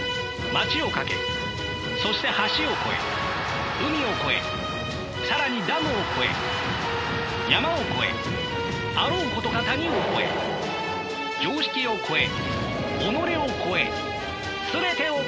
街を駆けそして橋を越え海を越え更にダムを越え山を越えあろうことか谷を越え常識を越え己を越え全てを越えて。